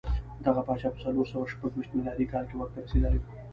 دغه پاچا په څلور سوه شپږ ویشت میلادي کال کې واک ته رسېدلی و.